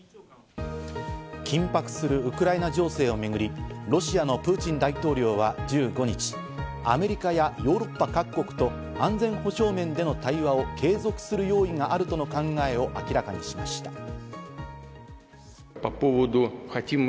緊迫するウクライナ情勢をめぐり、ロシアのプーチン大統領は１５日、アメリカやヨーロッパ各国と安全保障面での対話を継続する用意があるとの考えを明らかにしました。